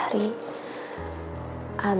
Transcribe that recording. aku bisa ketemu mas fahri